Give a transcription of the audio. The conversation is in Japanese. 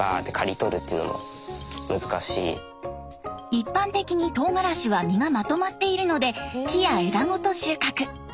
一般的にとうがらしは実がまとまっているので木や枝ごと収穫。